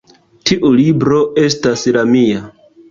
Tiu libro estas la mia